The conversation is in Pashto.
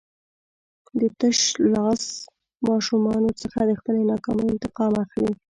د تشلاس ماشومانو څخه د خپلې ناکامۍ انتقام اخلي.